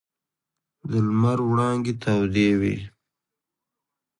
د لمر وړانګې تودې وې.